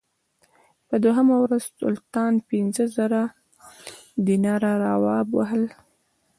په دوهمه ورځ سلطان پنځه زره دیناره راوبخښل.